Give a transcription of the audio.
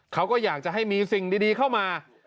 เขาก็อยากจะให้มีสิ่งดีเข้ามา